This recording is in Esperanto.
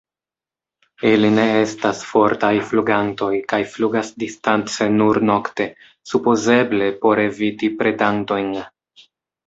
Ili ne estas fortaj flugantoj kaj flugas distance nur nokte, supozeble por eviti predantojn.